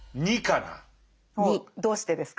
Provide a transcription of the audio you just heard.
２。どうしてですか？